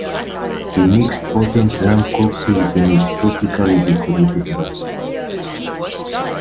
He mixed potent rum cocktails in his tropically decorated bar.